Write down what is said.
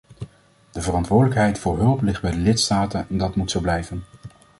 De verantwoordelijkheid voor hulp ligt bij de lidstaten en dat moet zo blijven.